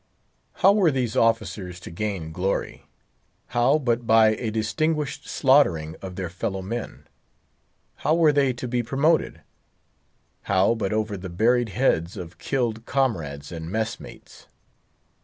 How were these officers to gain glory? How but by a distinguished slaughtering of their fellow men. How were they to be promoted? How but over the buried heads of killed comrades and mess mates.